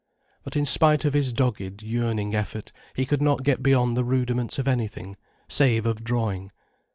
But in spite of his dogged, yearning effort, he could not get beyond the rudiments of anything, save of drawing.